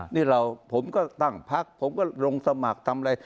นี่เราผมก็ตั้งพักผมก็ลงสมัครทำอะไร